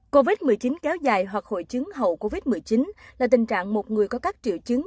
covid một mươi chín kéo dài hoặc hội chứng hậu covid một mươi chín là tình trạng một người có các triệu chứng